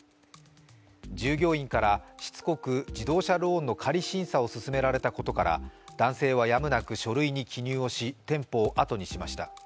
従業員からしつこく自動車ローンの仮審査を勧められたことから男性はやむなく書類に記入をし店舗をあとにしました。